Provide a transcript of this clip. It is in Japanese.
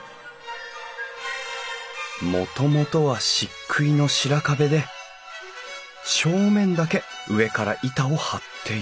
もともとは漆喰の白壁で正面だけ上から板を張っている。